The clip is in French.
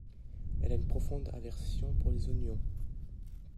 Elle a une profonde aversion pour les oignons.